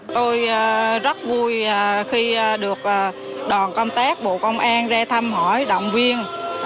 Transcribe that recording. tôi rất vui khi được đoàn công tác bộ công an ra thăm hỏi động viên